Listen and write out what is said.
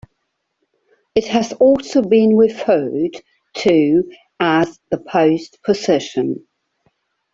It has also been referred to as the "post" position.